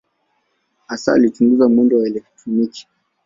Hasa alichunguza mwendo wa elektroni.